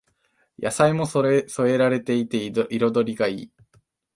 野菜も添えられていて彩りがいい